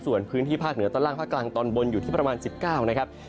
ส่วนพื้นที่ภาคเหนือตอนล่างภาคกลางตอนบนอยู่ที่ประมาณ๑๙นะครับ